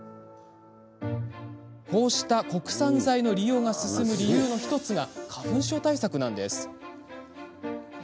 こうした国産材の利用が進む理由の１つが花粉症対策です。